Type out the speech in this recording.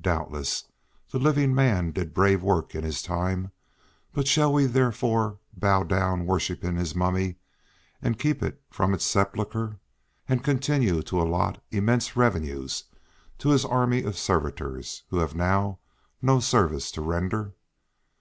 Doubtless the living man did brave work in his time; but shall we therefore bow down worshipping his mummy, and keep it from its sepulchre, and continue to allot immense revenues to his army of servitors who have now no service to render?